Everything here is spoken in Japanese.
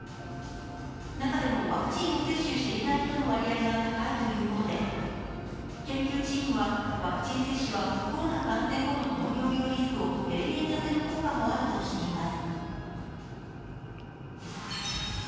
中でもワクチンを接種していない人の割合が高いということで、研究チームはワクチン接種はコロナ感染後の糖尿病リスクを低減させる効果もあるとしています。